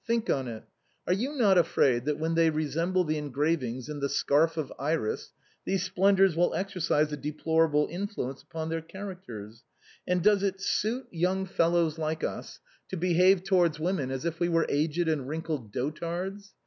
Think on it. Are you not afraid that when they resemble the engravings in * The Scarf of Iris/ these splendors will exercise a de plorable influence upon their characters, and does it suit young fellows like us to behave towards women as if we were aged and wrinkled dotards?